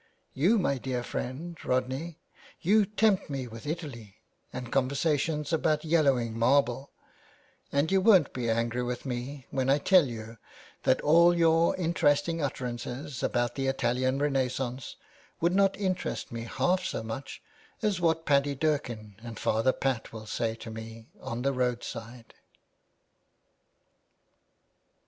You, my dear 419 THE WAY BACK. friend, Rodney, you tempt me with Italy and con versations about yellowing marbles; and you won't be angry with me when I tell you that all your interesting utterances about the Italian renaissance would not interest me half so much as what Paddy Durkin and Father Pat will say to me on the road side.''